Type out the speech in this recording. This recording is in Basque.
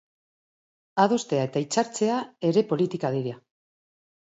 Adostea eta hitzartzea ere politika dira.